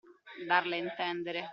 Darla a intendere.